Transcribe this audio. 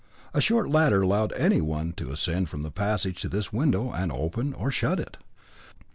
A short ladder allowed anyone to ascend from the passage to this window and open or shut it.